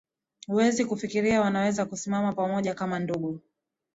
huwezi kufikiri wanaweza kusimama pamoja kama ndugu